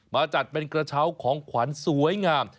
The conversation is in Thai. จัดเป็นกระเช้าของขวัญสวยงาม